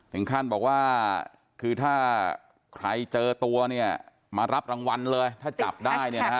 ถึงขั้นบอกว่าคือถ้าใครเจอตัวเนี่ยมารับรางวัลเลยถ้าจับได้เนี่ยนะฮะ